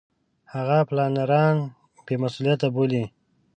هغه پلانران بې مسولیته بولي.